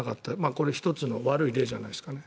これ、１つの悪い例じゃないですかね。